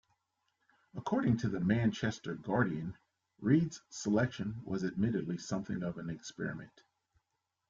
According to the "Manchester Guardian", Read's selection "was admittedly something of an experiment.